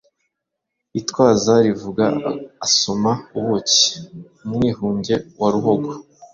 itwaza yivuga asoma ubuki. Umwihunge wa Ruhogo,